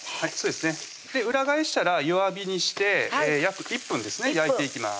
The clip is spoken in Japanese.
裏返したら弱火にして約１分ですね焼いていきます